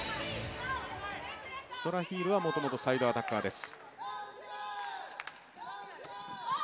ストラヒールはもともとサイドアタッカーです。